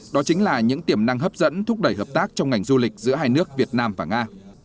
đó chính là những tiềm năng hấp dẫn thúc đẩy hợp tác trong ngành du lịch giữa hai nước việt nam và nga